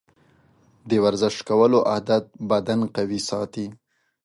د ورزش کولو عادت بدن قوي ساتي.